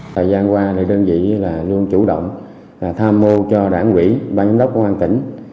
thời gian qua đơn vị luôn chủ động tham mưu cho đảng ủy ban giám đốc công an tỉnh